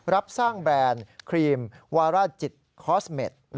รับสร้างแบรนด์ครีมวาร่าจิตคอสเม็ด